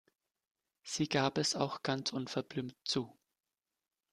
Sie gab es auch ganz unverblümt zu.